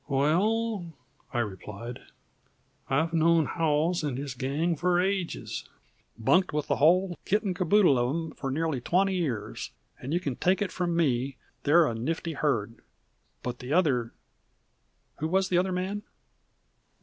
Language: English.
"Well," I replied, "I've known Howells and his gang for ages bunked with the whole kit and caboodle of 'em for nearly twenty years and you can take it from me they're a nifty herd! But the other who was the other man?"